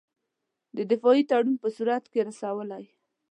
د دفاعي تړون په صورت کې رسولای.